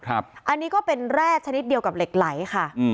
อันนี้ก็เป็นแร่ชนิดเดียวกับเหล็กไหลค่ะ